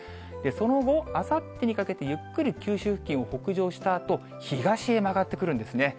その後、あさってにかけて、ゆっくり九州付近を北上したあと、東へ曲がってくるんですね。